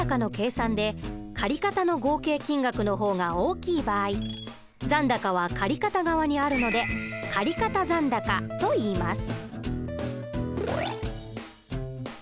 反対に貸方の合計金額の方が大きい場合残高は貸方側にあるので貸方残高といいます。